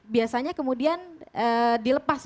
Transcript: biasanya kemudian dilepas